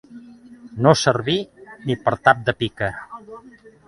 No servir ni per tap de pica.